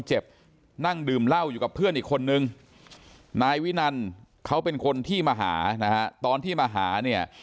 ชื่อนายวินันขันธออายุ๕๓ปี